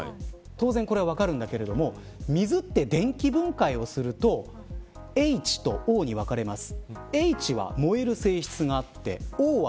当然これは分かるんだけど水って電気分解をするとＨとＯに分かれます。